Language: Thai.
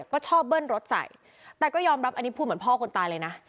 ก็ชอบเบิ้ลรถใส่แต่ก็ยอมรับอันนี้พูดเหมือนพ่อคนตายเลยนะ